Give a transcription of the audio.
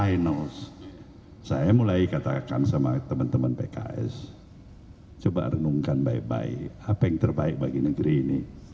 saya mulai katakan sama teman teman pks coba renungkan baik baik apa yang terbaik bagi negeri ini